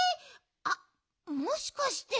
あっもしかして。